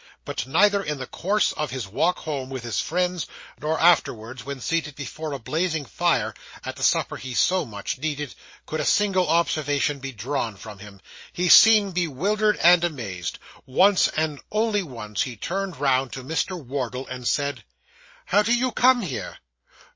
But neither in the course of his walk home with his friends, nor afterwards when seated before a blazing fire at the supper he so much needed, could a single observation be drawn from him. He seemed bewildered and amazed. Once, and only once, he turned round to Mr. Wardle, and said 'How did you come here?